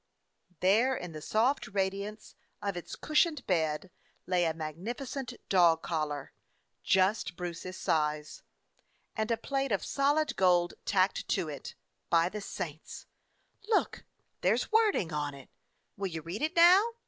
There, in the soft radiance of its cushioned 276 A FIRE DOG OF NEW YORK bed, lay a magnificent dog collar, just Bruce's size. "And a plate of solid gold tacked to it, by the saints ! Look, there 's wording on it. Will you read it, now?"